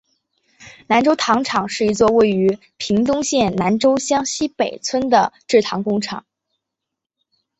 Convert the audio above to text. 南州糖厂是一座位于屏东县南州乡溪北村的制糖工厂。